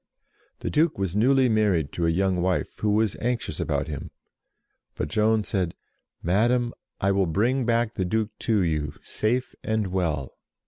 The Duke was newly married to a young wife, who was anxious about him, but Joan said, "Madam, I will bring back the Duke to you, safe and well